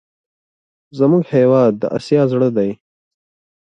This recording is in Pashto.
زموږ هېواد د اسیا زړه دی.